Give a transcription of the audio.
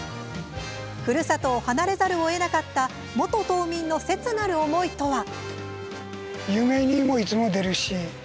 ふるさとを離れざるをえなかった元島民の切なる思いとは？